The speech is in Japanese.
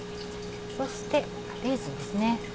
そしてレーズンですね。